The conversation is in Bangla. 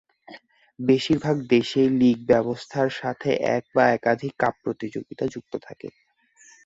বেশিরভাগ দেশেই লীগ ব্যবস্থার সাথে এক বা একাধিক "কাপ" প্রতিযোগিতা যুক্ত থাকে।